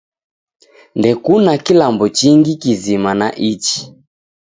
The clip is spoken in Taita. Ndekuna kilambo chingi kizima na ichi